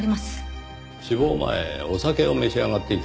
死亡前お酒を召し上がっていたようですねぇ。